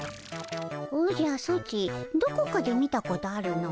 おじゃソチどこかで見たことあるの。